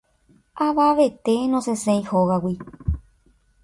Avavete nosẽséi hógagui.